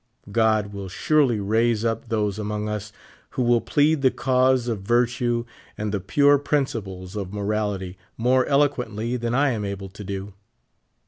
God will surely raise up those among us who will plead the cause of virtue and the pure principles of morality more eloquently than I am able to do.